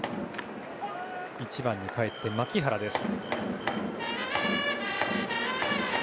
１番にかえってバッターは牧原です。